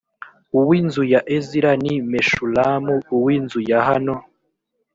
uw inzu ya ezira ni meshulamu uw inzu yahano